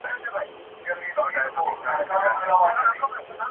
منبر به وي، بلال به وي، ږغ د آذان به نه وي!!